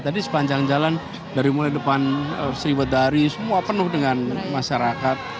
tadi sepanjang jalan dari mulai depan sriwedari semua penuh dengan masyarakat